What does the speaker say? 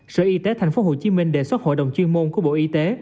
sở y tế tp hcm đề xuất hội đồng chuyên môn của bộ y tế